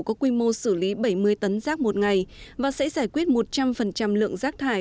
có quy mô xử lý bảy mươi tấn rác một ngày và sẽ giải quyết một trăm linh lượng rác thải